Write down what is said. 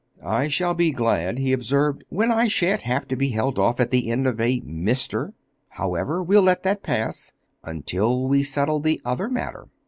"I shall be glad," he observed, "when I shan't have to be held off at the end of a 'Mr.'! However, we'll let that pass—until we settle the other matter.